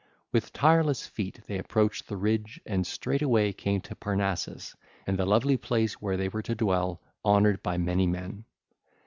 With tireless feet they approached the ridge and straightway came to Parnassus and the lovely place where they were to dwell honoured by many men.